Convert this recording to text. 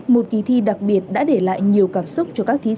một kỳ thi đặc biệt đã để lại nhiều cảm xúc cho các thí sinh